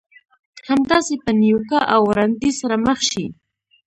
همداسې په نيوکه او وړانديز سره مخ شئ.